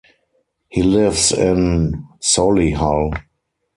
He lives in Solihull.